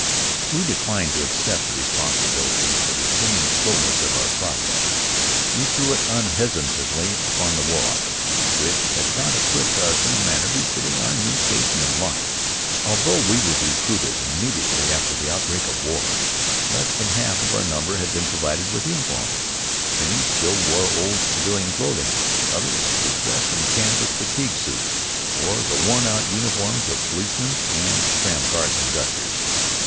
We declined to accept the responsibility for the seeming slowness of our progress. We threw it unhesitatingly upon the War Office, which had not equipped us in a manner befitting our new station in life. Although we were recruited immediately after the outbreak of war, less than half of our number had been provided with uniforms. Many still wore their old civilian clothing. Others were dressed in canvas fatigue suits, or the worn out uniforms of policemen and tramcar conductors.